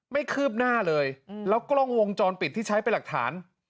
คืบหน้าเลยแล้วกล้องวงจรปิดที่ใช้เป็นหลักฐาน